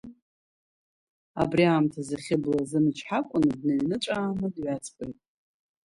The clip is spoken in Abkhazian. Абри аамҭазы Хьыбла илзымычҳакәаны дныҩныҵәааны дҩаҵҟьоит.